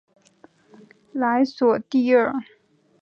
莱索蒂厄。